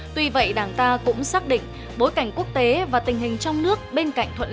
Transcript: tuy vậy đảng ta cũng xác định bối cảnh quốc tế và tình hình trong nước bên cạnh thuận lợi